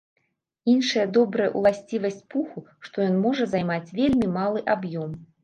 Іншая добрая ўласцівасць пуху, што ён можа займаць вельмі малы аб'ём.